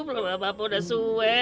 belum apa apa udah sue